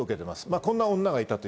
こんな女がいたという。